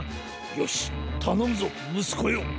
よしたのむぞむすこよ！